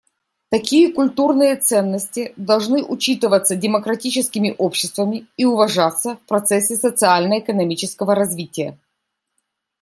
Такие культурные ценности должны учитываться демократическими обществами и уважаться в процессе социально-экономического развития.